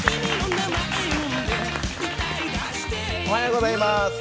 おはようございます。